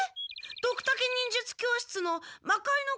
ドクタケ忍術教室の魔界之